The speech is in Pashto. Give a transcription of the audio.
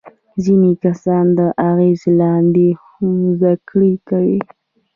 ځینې کسان د اغیز لاندې هم زده کړه کوي.